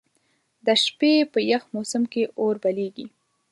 د شپې په یخ موسم کې اور بليږي.